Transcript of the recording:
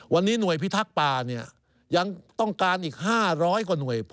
วันนี้หน่วยพิทักษ์ป่าเนี่ยยังต้องการอีก๕๐๐กว่าหน่วย